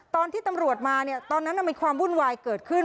ตอนที่ตำรวจมาเนี่ยตอนนั้นมีความวุ่นวายเกิดขึ้น